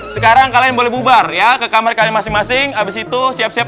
sekarang kalian boleh bubar ya ke kamar kalian masing masing abis itu siap siap